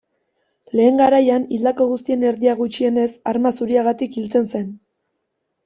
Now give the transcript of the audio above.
Lehen garaian, hildako guztien erdia gutxienez, arma zuriagatik hiltzen zen.